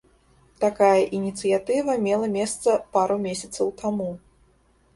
Такая ініцыятыва мела месца пару месяцаў таму.